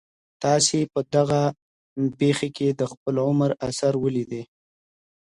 تاسي په دغه پېښي کي د خپل عمر اثر ولیدی؟